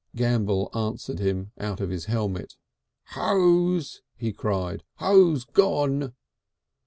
Gambell answered him out of his helmet. "Hose!" he cried. "Hose gone!"